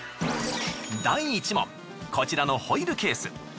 第１問こちらのホイルケース。